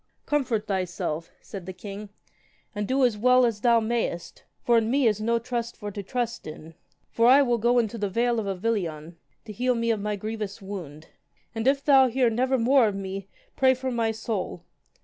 Comfort thyself, said the king, and do as well as thou mayest, for in me is no trust for to trust in. For I will into the vale of Avilion, to heal me of my grievous wound. And if thou hear never more of me, pray for my soul.